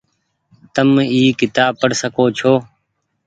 تم اي ڪتاب پڙ سکو ڇو۔